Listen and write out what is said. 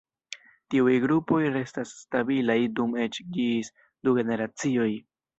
Tiuj grupoj restas stabilaj dum eĉ ĝis du generacioj.